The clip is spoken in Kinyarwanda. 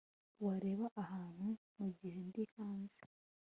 wareba ahantu mugihe ndi hanze